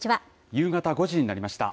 夕方５時になりました。